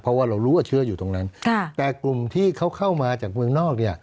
เพราะว่าเรารู้ว่าเชื้ออยู่ตรงนั้นแต่กลุ่มที่เขาเข้ามาจากเมืองนอกเนี่ย